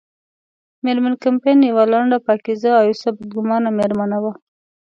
مېرمن کمپن یوه لنډه، پاکیزه او یو څه بدګمانه مېرمن وه.